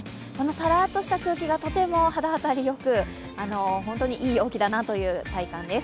さらっとした空気がとても肌当たりよく、本当にいい陽気だなという体感です。